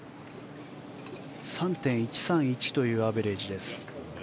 ３．１３１というアベレージです。